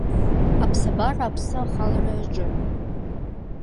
Аԥсабара аԥсы ахалара иаҿын.